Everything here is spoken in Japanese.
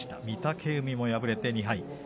御嶽海も敗れて２敗。